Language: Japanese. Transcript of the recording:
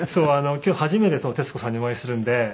今日初めて徹子さんにお会いするので。